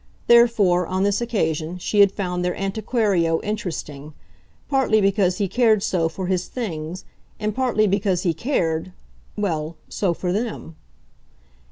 Therefore, on this occasion, she had found their antiquario interesting; partly because he cared so for his things, and partly because he cared well, so for them.